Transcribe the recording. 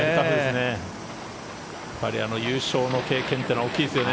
やっぱり優勝の経験というのは大きいですよね。